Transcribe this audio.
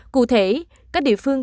cụ thể các địa phương